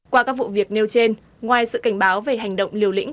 qua các vụ việc nêu trên ngoài sự cảnh báo về hành động liều lĩnh